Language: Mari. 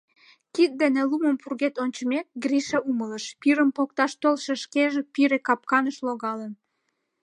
Кид дене лумым пургед ончымек, Гриша умылыш: пирым покташ толшо шкеже пире капканыш логалын.